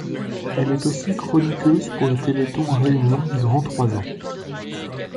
Elle est aussi chroniqueuse pour le Téléthon Réunion durant trois ans.